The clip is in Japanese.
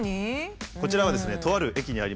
こちらはですねとある駅にあります